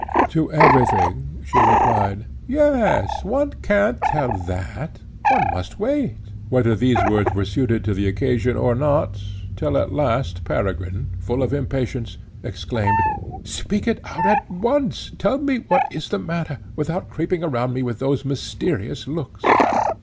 To every thing she replied, "Yes, one can't tell that! one must wait!" whether these words were suited to the occasion or not, till at last Peregrine, full of impatience, exclaimed, "Speak it out at once; tell me what is the matter, without creeping around me with those mysterious looks."